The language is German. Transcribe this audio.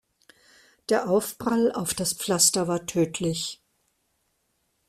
Der Aufprall auf das Pflaster war tödlich.